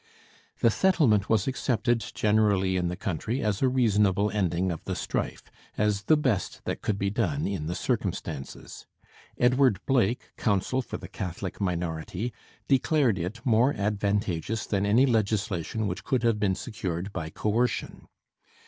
The settlement was accepted generally in the country as a reasonable ending of the strife as the best that could be done in the circumstances. Edward Blake, counsel for the Catholic minority, declared it more advantageous than any legislation which could have been secured by coercion.